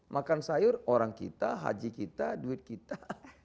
makan sayur orang kita haji kita duit kita